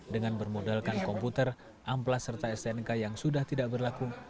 dengan bermodalkan komputer amplas serta stnk yang sudah tidak berlaku